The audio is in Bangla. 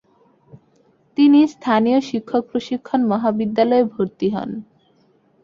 তিনি স্থানীয় শিক্ষক প্রশিক্ষণ মহাবিদ্যালয়ে ভর্তি হন।